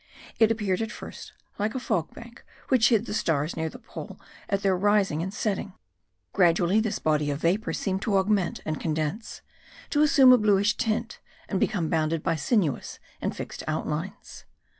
It appeared at first like a fog bank which hid the stars near the pole at their rising and setting; gradually this body of vapour seemed to augment and condense, to assume a bluish tint, and become bounded by sinuous and fixed outlines.